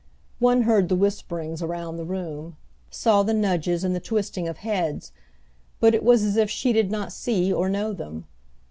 One heard the whisperings around the room, saw the nudges and the twisting of heads, but it was as if she did not see or know them.